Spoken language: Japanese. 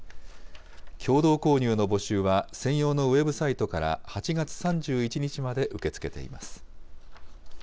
共同購入の募集は、専用のウェブサイトから８月３１日まで受け付けています。